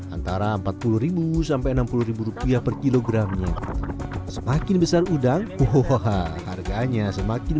antara empat puluh sampai rp enam puluh per kilogramnya semakin besar udang waho father harganya semakin